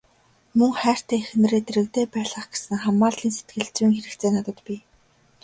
Мөн хайртай эхнэрээ дэргэдээ байлгах гэсэн хамаарлын сэтгэлзүйн хэрэгцээ надад бий.